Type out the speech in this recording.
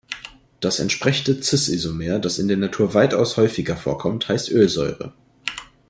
Das entsprechende "cis"-Isomer, das in der Natur weitaus häufiger vorkommt, heißt Ölsäure.